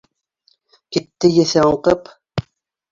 Китте еҫе аңҡып.